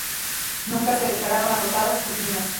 Nunca se declararon agotadas sus minas.